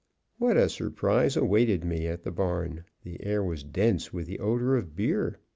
What a surprise awaited me at the barn! The air was dense with the odor of beer.